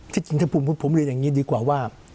จริงถ้าผมเรียนอย่างนี้ดีกว่าว่า